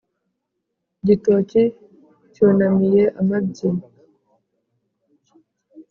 gitoki cyunamiye amabyi.